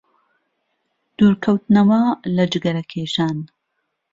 دوورکەوتنەوە لە جگەرەکێشان